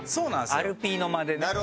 アルピーの間でね。